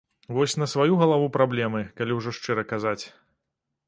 Вось на сваю галаву праблемы, калі ўжо шчыра казаць.